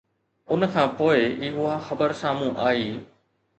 ان کانپوءِ ئي اها خبر سامهون آئي